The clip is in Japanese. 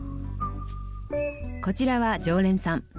こちらは常連さん。